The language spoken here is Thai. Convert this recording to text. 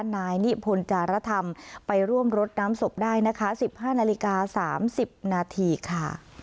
นายนิพนธ์จารธรรมไปร่วมรดน้ำศพได้นะคะ๑๕นาฬิกา๓๐นาทีค่ะ